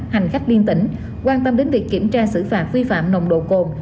hành khách liên tỉnh quan tâm đến việc kiểm tra xử phạt vi phạm nồng độ cồn